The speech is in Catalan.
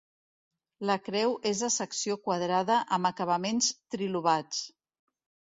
La creu és de secció quadrada amb acabaments trilobats.